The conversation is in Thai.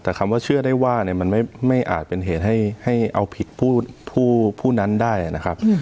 แต่คำว่าเชื่อได้ว่ามันไม่อาจเป็นเหตุให้เอาผิดผู้นั้นได้นะครับ